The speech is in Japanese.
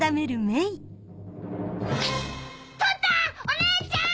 お姉ちゃん！